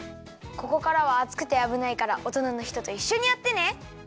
ここからはあつくてあぶないからおとなのひとといっしょにやってね。